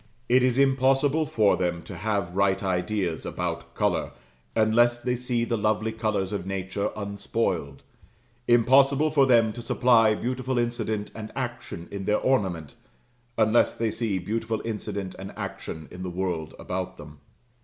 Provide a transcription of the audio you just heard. It is impossible for them to have right ideas about colour, unless they see the lovely colours of nature unspoiled; impossible for them to supply beautiful incident and action in their ornament, unless they see beautiful incident and action in the world about them.